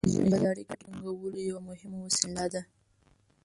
ژبه د اړیکې ټینګولو یوه مهمه وسیله ده.